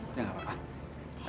udah nggak apa apa